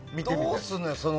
どうするのよ？